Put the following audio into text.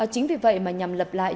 chính vì vậy mà nhằm lập lại